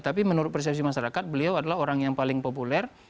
tapi menurut persepsi masyarakat beliau adalah orang yang paling populer